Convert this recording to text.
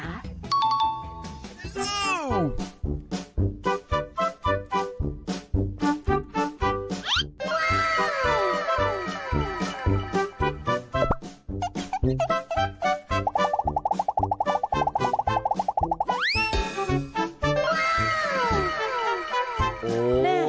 ว้าว